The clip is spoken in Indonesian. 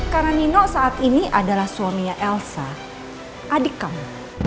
karena nino saat ini adalah suaminya elsa adik kamu